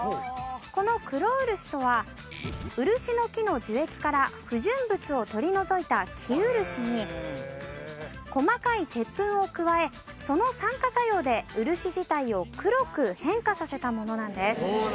この黒漆とは漆の木の樹液から不純物を取り除いた生漆に細かい鉄粉を加えその酸化作用で漆自体を黒く変化させたものなんです。